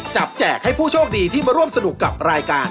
แจกให้ผู้โชคดีที่มาร่วมสนุกกับรายการ